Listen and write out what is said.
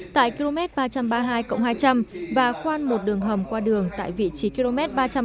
tại km ba trăm ba mươi hai hai trăm linh và khoan một đường hầm qua đường tại vị trí km ba trăm ba mươi bốn một trăm tám mươi